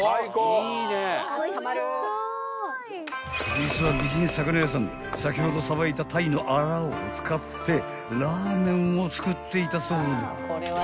［実は美人魚屋さん先ほどさばいた鯛のあらを使ってラーメンを作っていたそうな］